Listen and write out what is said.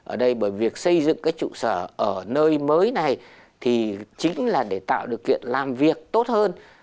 ở đây bởi việc xây dựng cái trụ sở ở nơi mới này thì chính là để tạo điều kiện làm việc tốt hơn